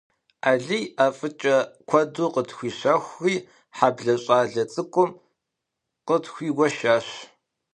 Алий ӀэфӀыкӀэ куэду къытхуищэхури, хьэблэ щӀалэ цӀыкӀум къытхуигуэшащ.